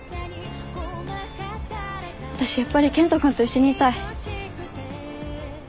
私やっぱり健人君と一緒にいたい。